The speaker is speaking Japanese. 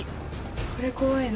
これ、怖いな。